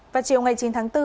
vào chiều chín tháng bốn